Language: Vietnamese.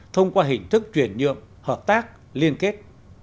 thông qua hình thức chuyển nhượng hợp tác liên kết